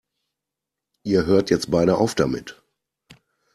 Ihr hört jetzt beide auf damit!